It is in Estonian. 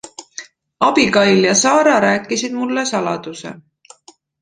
Abigail ja Sara rääkisid mulle saladuse.